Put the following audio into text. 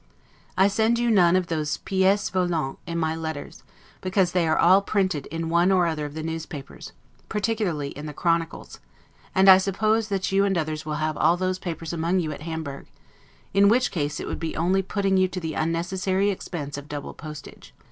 I send you none of those 'pieces volantes' in my letters, because they are all printed in one or other of the newspapers, particularly in the "Chronicles"; and I suppose that you and others have all those papers among you at Hamburg; in which case it would be only putting you to the unnecessary expense of double postage.